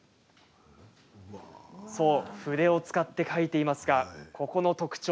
そう、筆を使って描いていますがここの特徴。